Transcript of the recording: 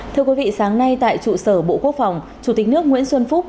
thưa quý vị sáng nay tại trụ sở bộ quốc phòng chủ tịch nước nguyễn xuân phúc